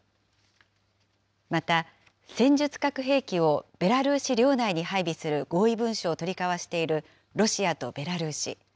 また、戦術核兵器をベラルーシ領内に配備する合意文書を取り交わしているロシアとベラルーシ。